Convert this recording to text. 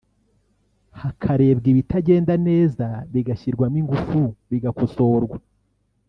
hakarebwa ibitagenda neza bigashyirwamo ingufu bigakosorwa